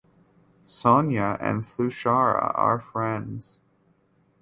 Sonia and Thushara are friends.